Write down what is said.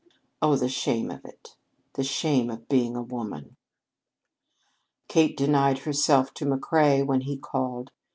Oh, the shame of it! The shame of being a woman! Kate denied herself to McCrea when he called.